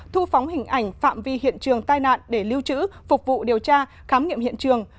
thu phóng hình ảnh phạm vi hiện trường tai nạn để lưu trữ phục vụ điều tra khám nghiệm hiện trường